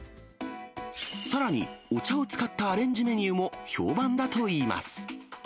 さらにお茶を使ったアレンジメニューも評判だといいます。